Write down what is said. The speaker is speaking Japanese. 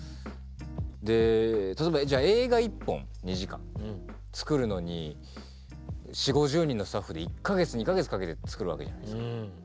で例えば映画１本２時間作るのに４０５０人のスタッフで１か月２か月かけて作るわけじゃないですか。